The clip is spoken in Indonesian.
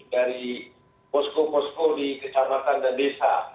dari posko posko di kecamatan dan desa